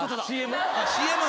⁉ＣＭ？